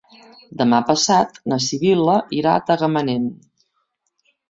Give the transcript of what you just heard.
Demà passat na Sibil·la irà a Tagamanent.